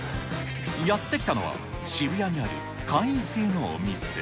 やって来たのは、渋谷にある会員制のお店。